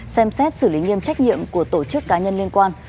xem xét xử lý nghiêm trách nhiệm của tổ chức cá nhân liên quan